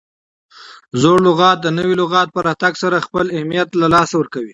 زوړ لغت د نوي لغت په راتګ سره خپل اهمیت له لاسه ورکوي.